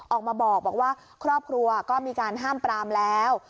ออกมาบอกว่าครอบครัวก็มีการห้ามปรามแล้ว